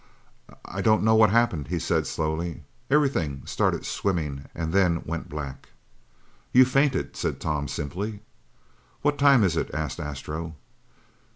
"I I don't know what happened," he said slowly. "Everything started swimming and then went black." "You fainted," said Tom simply. "What time is it?" asked Astro.